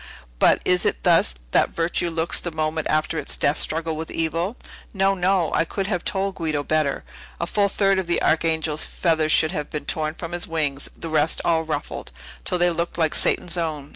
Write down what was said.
But, is it thus that virtue looks the moment after its death struggle with evil? No, no; I could have told Guido better. A full third of the Archangel's feathers should have been torn from his wings; the rest all ruffled, till they looked like Satan's own!